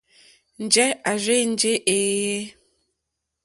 Njɛ̂ à rzênjé èèyé.